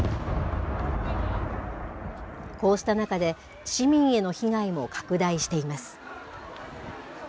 こうした中で、市民への被害も拡大しています。